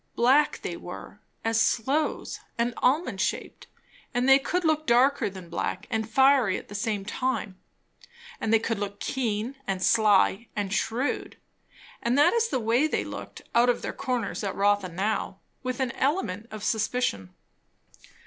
Black they were, as sloes, and almond shaped; and they could look darker than black, and fiery at the same time; and they could look keen and sly and shrewd, and that is the way they looked out of their corners at Rotha now, with an element of suspicion.